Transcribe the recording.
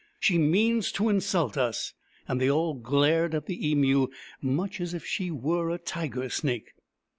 She means to insult us !" And they all glared at the Emu, much as if she were a tiger snake.